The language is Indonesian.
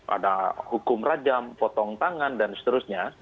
ada hukum rajam potong tangan dan seterusnya